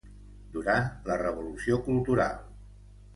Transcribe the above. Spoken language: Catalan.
Durant la revolució cultural.